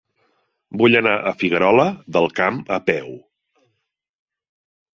Vull anar a Figuerola del Camp a peu.